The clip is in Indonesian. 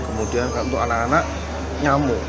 kemudian untuk anak anak nyamuk